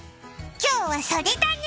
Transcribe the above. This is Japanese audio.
今日はそれだね！